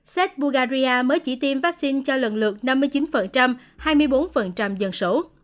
sách bulgaria mới chỉ tiêm vaccine cho lần lượt năm mươi chín hai mươi bốn dân số